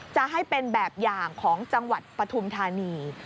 จะให้เป็นแบบอย่างของจังหวัดปฐุมธานี